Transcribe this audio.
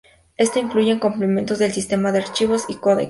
Esto incluyen complementos del sistema de archivos y de codecs.